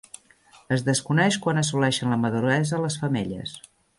Es desconeix quan assoleixen la maduresa les femelles.